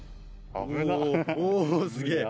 おすげえ。